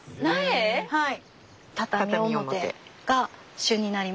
はい。